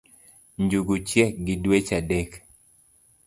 njungu chiek gi dweche adek